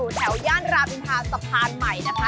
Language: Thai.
ทุกคนมาอยู่แถวย่านราบิลภาสะพานใหม่นะคะ